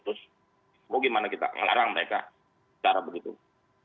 terus mau gimana kita larang mereka cara begitu